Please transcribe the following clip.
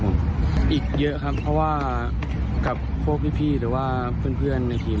อีกเยอะครับเพราะว่ากับพวกพี่หรือว่าเพื่อนในทีม